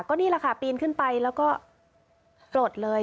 ก็นี่แหละค่ะปีนขึ้นไปแล้วก็กรดเลย